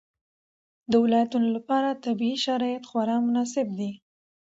د ولایتونو لپاره طبیعي شرایط خورا مناسب دي.